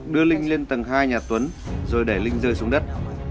đưa linh lên tầng hai nhà tuấn rồi đẩy linh rơi xuống đất